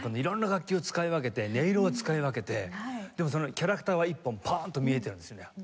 色んな楽器を使い分けて音色を使い分けてでもキャラクターは一本ポンと見えてるんですよね。